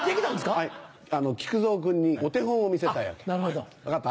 木久蔵君にお手本を見せたいわけ分かった？